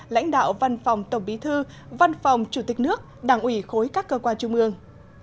lãnh đạo văn phòng tổng bí thư văn phòng chủ tịch nước đảng ủy khối các cơ quan trung ương